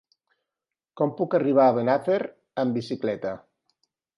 Com puc arribar a Benafer amb bicicleta?